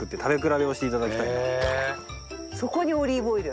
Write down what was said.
そこにオリーブオイル？